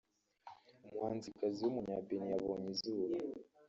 umuhanzikazi w’umunya-Benin yabonye izuba